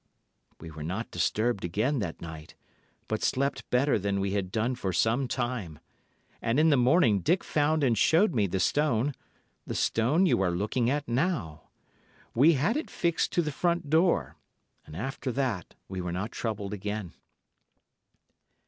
"We were not disturbed again that night, but slept better than we had done for some time, and in the morning Dick found and showed me the stone—the stone you are looking at now. We had it fixed to the front door, and after that we were not troubled again."